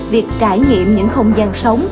việc trải nghiệm những không gian sống